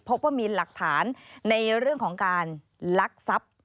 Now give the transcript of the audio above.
พบว่ามีหลักฐานในเรื่องของการลักทรัพย์